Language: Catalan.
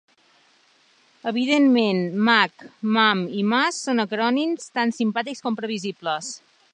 Evidentment "Mag", "Mam" i "Mas" són acrònims tan simpàtics com previsibles.